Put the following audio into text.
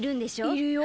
いるよ。